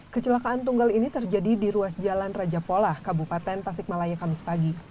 kecelakaan tunggal ini terjadi di ruas jalan raja polah kabupaten tasikmalaya kamis pagi